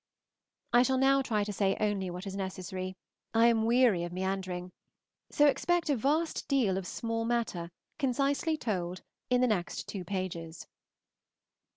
I shall now try to say only what is necessary, I am weary of meandering; so expect a vast deal of small matter, concisely told, in the next two pages.